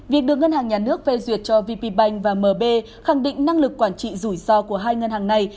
việc được ngân hàng nhà nước phê duyệt cho vp bank và mb khẳng định năng lực quản trị rủi ro của hai ngân hàng này